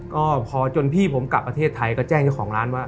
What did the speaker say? ก็พอจนพี่ผมกลับประเทศไทยก็แจ้งเจ้าของร้านว่า